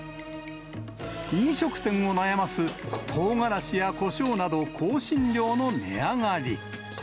飲食店を悩ます、トウガラシやこしょうなど、香辛料の値上がり。